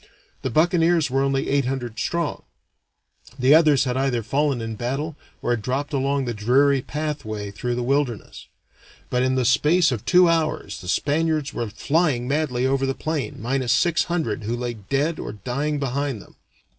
The buccaneers were only eight hundred strong; the others had either fallen in battle or had dropped along the dreary pathway through the wilderness; but in the space of two hours the Spaniards were flying madly over the plain, minus six hundred who lay dead or dying behind them.